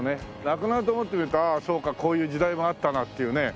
なくなると思って見るとああそうかこういう時代もあったなっていうね。